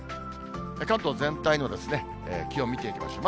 関東全体の気温見ていきましょう。